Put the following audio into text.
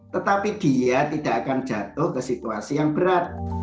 tetapi dia tidak akan jatuh ke situasi yang berat